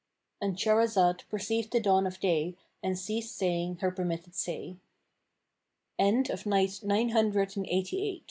—And Shahrazad perceived the dawn of day and ceased saying her permitted say. When it was the Nine Hundred and Eight